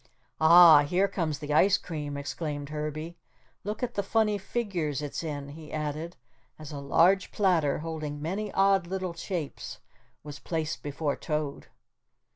"Ah, here comes the ice cream!" exclaimed Herbie. "Look at the funny figures it's in," he added, as a large platter, holding many odd little shapes, was placed before Toad.